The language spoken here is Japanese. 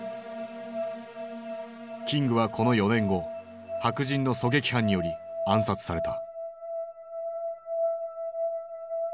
キングはこの４年後白人の狙撃犯により暗殺された。